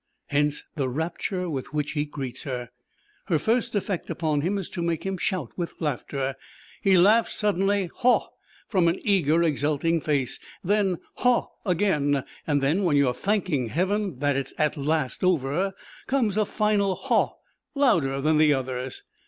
Hence the rapture with which he greets her. Her first effect upon him is to make him shout with laughter. He laughs suddenly haw from an eager exulting face, then haw again, and then, when you are thanking heaven that it is at last over, comes a final haw, louder than the others.